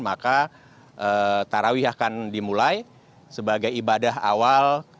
maka tarawih akan dimulai sebagai ibadah awal